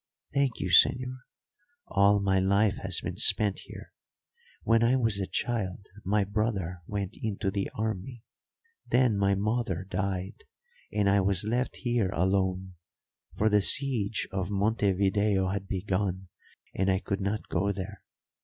"Thank you, señor. All my life has been spent here. When I was a child my brother went into the army, then my mother died, and I was left here alone, for the siege of Montevideo had begun and I could not go there.